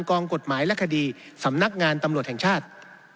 กองกฎหมายและคดีสำนักงานตำรวจแห่งชาติ